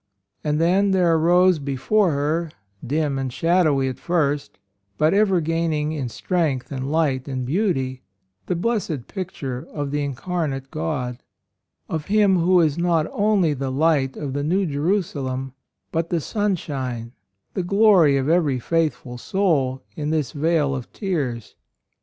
And then there arose before her, dim and shadowy at first, but ever gaining in strength and light and beauty, the blessed picture of the Incarnate God, — of Him who is not only the light of the New Jerusalem, but the sunshine, the glory of every faithful soul in this vale of tears.